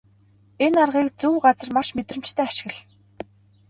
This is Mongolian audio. Энэ аргыг зөв газар маш мэдрэмжтэй ашигла.